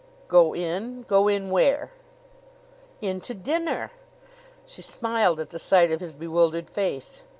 "Go in? Go in where?" "In to dinner." She smiled at the sight of his bewildered face.